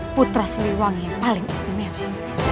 putra siliwangi yang paling istimewa